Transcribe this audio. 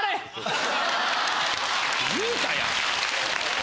言うたやん！